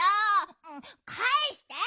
かえして！